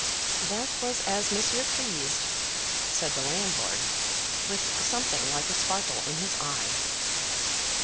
"That was as monsieur pleased," said the landlord, with something like a sparkle in his eye.